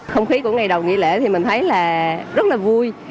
không khí của ngày đầu nghỉ lễ thì mình thấy là rất là vui